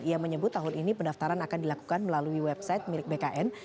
ia menyebut tahun ini pendaftaran akan dilakukan melalui website milik bkn